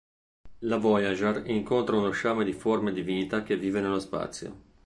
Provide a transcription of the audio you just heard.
La "Voyager" incontra uno sciame di forme di vita che vive nello spazio.